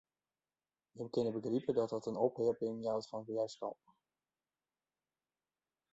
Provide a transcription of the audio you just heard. Jim kinne begripe dat dat in opheapping jout fan wjerskanten.